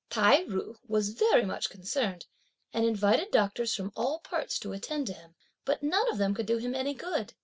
Tai ju was very much concerned, and invited doctors from all parts to attend to him, but none of them could do him any good.